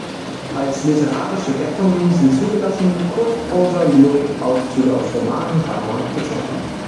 Als literarische Gattungen sind zugelassen: Kurzprosa, Lyrik, Auszüge aus Romanen, Drama etc.